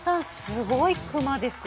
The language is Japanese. すごいクマですよ。